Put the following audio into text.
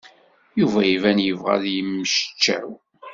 Yuba iban yebɣa ad yemmectcaw.